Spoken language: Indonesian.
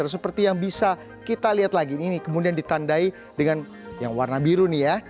seperti yang bisa kita lihat lagi ini kemudian ditandai dengan yang warna biru nih ya